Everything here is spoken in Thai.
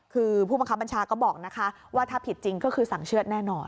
คือผู้บังคับบัญชาก็บอกนะคะว่าถ้าผิดจริงก็คือสั่งเชื่อดแน่นอน